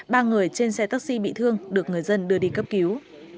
ba người trên xe taxi bị thương được người dân đưa đi cấp cứu